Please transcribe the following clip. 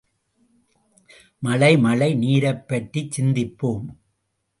மழை மழை நீரைப் பற்றிச் சிந்திப்போம்.